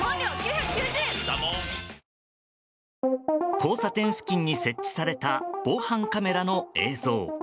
交差点付近に設置された防犯カメラの映像。